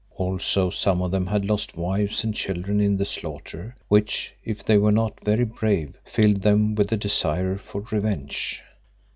Also some of them had lost wives or children in the slaughter, which, if they were not very brave, filled them with a desire for revenge.